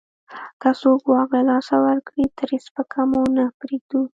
که څوک واک له لاسه ورکړي، ترې سپکه مو نه پرېږدو.